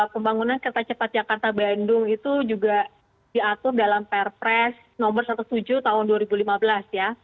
pembangunan kereta cepat jakarta bandung itu juga diatur dalam perpres nomor satu ratus tujuh tahun dua ribu lima belas ya